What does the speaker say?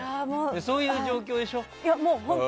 そういう状況でしょ？